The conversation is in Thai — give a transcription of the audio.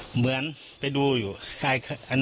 เหมือนไปดูอยู่อ๋อน้อยก็เคยเห็น